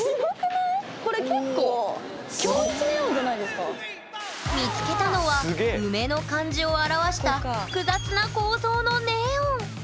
これ結構見つけたのは梅の漢字を表した複雑な構造のネオン！